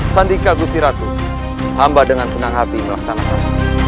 sandika gusiratun hamba dengan senang hati melaksanakan